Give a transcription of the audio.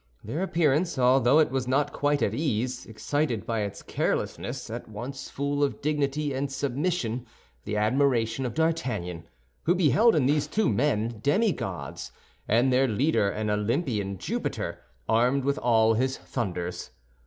Their appearance, although it was not quite at ease, excited by its carelessness, at once full of dignity and submission, the admiration of D'Artagnan, who beheld in these two men demigods, and in their leader an Olympian Jupiter, armed with all his thunders.